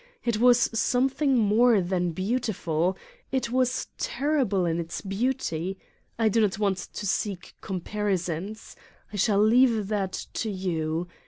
It was something more than beautiful. It was ter rible in its beauty. I do not want to seek com parisons. I shall leave that to you.